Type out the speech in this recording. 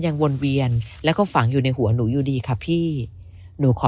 วนเวียนแล้วก็ฝังอยู่ในหัวหนูอยู่ดีค่ะพี่หนูขอ